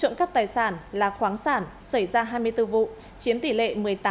trộm cắp tài sản là khoáng sản xảy ra hai mươi bốn vụ chiếm tỷ lệ một mươi tám